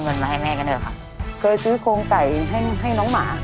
เงินมาให้แม่กันด้วยค่ะเคยซื้อโคงไต่ให้ให้น้องหมา